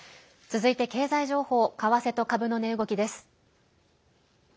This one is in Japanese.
続いて経済情報為替と株の値動きです。